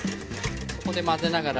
ここで混ぜながら。